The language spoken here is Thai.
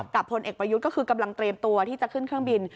พลเอกประยุทธ์ก็คือกำลังเตรียมตัวที่จะขึ้นเครื่องบิน